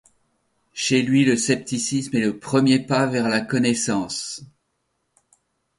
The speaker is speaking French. Chez lui le scepticisme est le premier pas vers la connaissance.